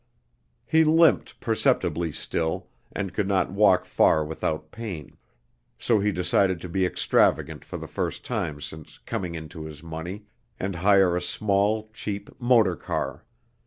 He limped perceptibly still, and could not walk far without pain, so he decided to be extravagant for the first time since "coming into his money" and hire a small, cheap motor car.